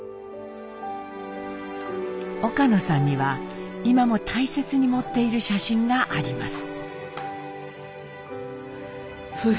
岡野さんには今も大切に持っている写真があります。